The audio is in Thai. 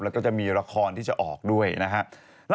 แล้วก็จะมีละครที่จะออกด้วยนะฮะ